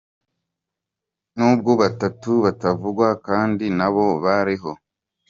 N’ubwo “abatutu” batavugwa, kandi nabo bariho.